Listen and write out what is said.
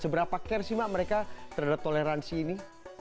seberapa care sih mbak mereka terhadap toleransi ini